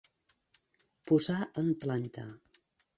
Posar en planta.